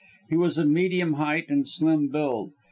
He was of medium height and slim build.